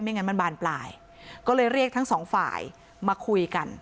งั้นมันบานปลายก็เลยเรียกทั้งสองฝ่ายมาคุยกัน